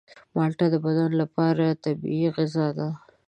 مالټه د بدن لپاره طبیعي غذا ده.